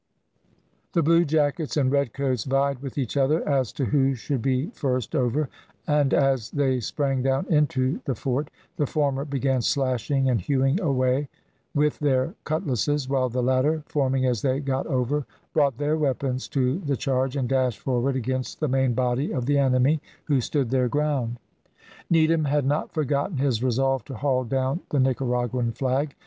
The bluejackets and redcoats vied with each other as to who should be first over, and as they sprang down into the fort, the former began slashing and hewing away with their cutlasses, while the latter, forming as they got over, brought their weapons to the charge, and dashed forward against the main body of the enemy, who stood their ground. Needham had not forgotten his resolve to haul down the Nicaraguan flag.